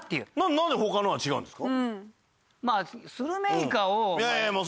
なんで他のは違うんですか？